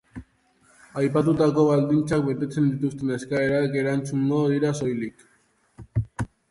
Aipatutako baldintzak betetzen dituzten eskaerak erantzungo dira soilik.